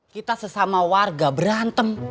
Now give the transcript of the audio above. kita sesama warga berantem